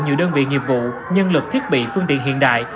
nhiều đơn vị nghiệp vụ nhân lực thiết bị phương tiện hiện đại